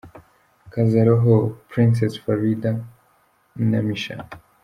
Kaza Roho – Princess Farida & Micha.